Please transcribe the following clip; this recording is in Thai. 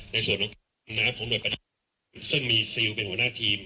ในส่วนของสูบน้ำของโดยประเทศไทยซึ่งมีซิลเป็นหัวหน้าทีม